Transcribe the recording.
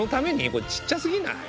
これちっちゃすぎない？